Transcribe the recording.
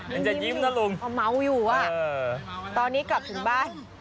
มันจะยิ้มนะลุงพอเมาอยู่อ่ะตอนนี้กลับถึงบ้าน